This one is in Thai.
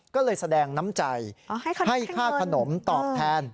ก็เลยแสดงน้ำใจให้ค่าขนมตอบแทน